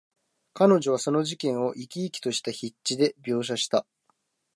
彼女はその事件を、生き生きとした筆致で描写した。